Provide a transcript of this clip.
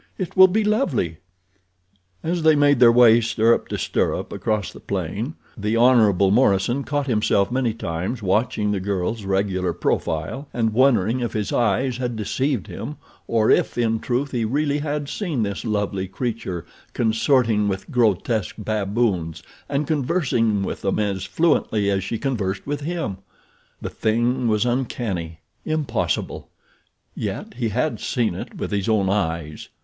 "It will be lovely." As they made their way stirrup to stirrup across the plain the Hon. Morison caught himself many times watching the girl's regular profile and wondering if his eyes had deceived him or if, in truth, he really had seen this lovely creature consorting with grotesque baboons and conversing with them as fluently as she conversed with him. The thing was uncanny—impossible; yet he had seen it with his own eyes.